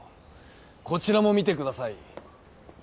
こちらも見てください。